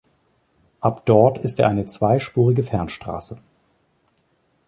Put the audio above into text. Ab dort ist er eine zweispurige Fernstraße.